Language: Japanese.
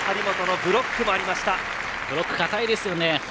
ブロック堅いですね。